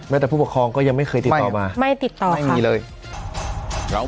แม้แต่ผู้ปกครองก็ยังไม่เคยติดต่อมา